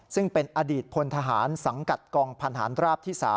ซึ่งเป็นอดีตพลทหารสังกัดกองพันธานราบที่๓